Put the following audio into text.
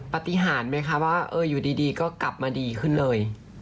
ปฏิหารไหมคะว่าอยู่ดีก็กลับมาดีขึ้นเลย